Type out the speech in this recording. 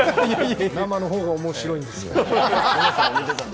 生の方が面白いんですよ。